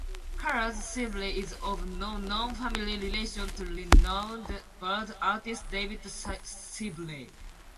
Charles Sibley is of no known family relation to renowned bird artist David Sibley.